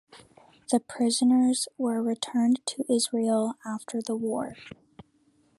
The prisoners were returned to Israel after the war.